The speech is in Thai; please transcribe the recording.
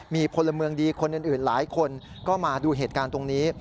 มีพลเมืองดีคนอื่นหลายคนก็มาดูเหตุการณ์ตรงนี้